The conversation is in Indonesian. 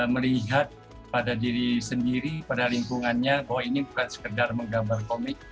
melihat pada diri sendiri pada lingkungannya bahwa ini bukan sekedar menggambar komik